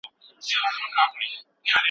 د ميرې کور دی در وتی نه سوم مئینه